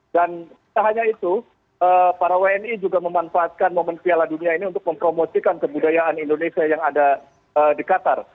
dan tidak hanya itu para wni juga memanfaatkan momen piala dunia ini untuk mempromosikan kebudayaan indonesia yang ada di qatar